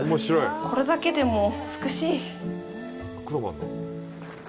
これだけでも美しい。